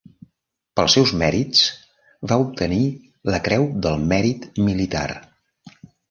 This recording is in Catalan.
Pels seus mèrits, va obtenir la Creu del Mèrit Militar.